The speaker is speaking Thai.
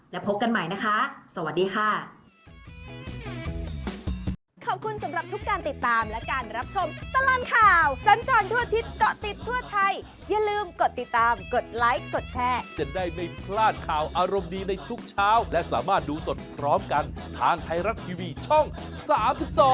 และพบกันใหม่นะคะสวัสดีค่ะ